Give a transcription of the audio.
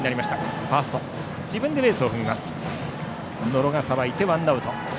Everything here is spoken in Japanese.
野呂がさばいてワンアウト。